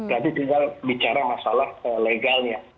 jadi tinggal bicara masalah legalnya